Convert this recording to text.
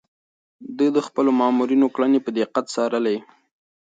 ده د خپلو مامورينو کړنې په دقت څارلې.